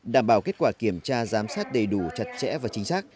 đảm bảo kết quả kiểm tra giám sát đầy đủ chặt chẽ và chính xác